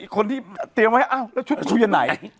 คนที่เตรียมไว้อ้าวชุดคืออย่างไหน